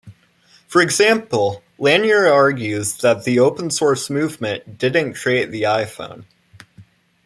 For example, Lanier argues that the open source movement didn't create the iPhone.